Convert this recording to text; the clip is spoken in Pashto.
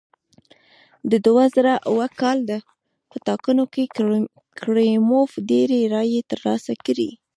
د دوه زره اووه کال په ټاکنو کې کریموف ډېرې رایې ترلاسه کړې.